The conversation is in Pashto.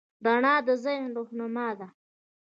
رڼا د ځای رهنما ده.